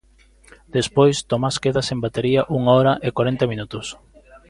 Despois, Tomás queda sen batería unha hora e corenta minutos.